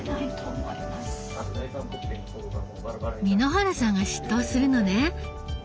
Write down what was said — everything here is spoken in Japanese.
簑原さんが執刀するのね。